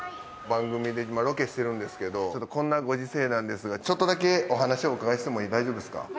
番組で今ロケしてるんですけどこんなご時勢なんですがちょっとだけお話お伺いしても大丈夫ですか？